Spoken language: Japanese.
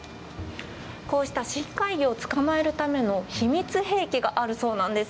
こうした深海魚を捕まえるための秘密兵器があるそうなんです。